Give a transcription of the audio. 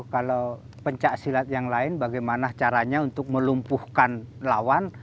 kalau pencaksilat yang lain bagaimana caranya untuk melumpuhkan lawan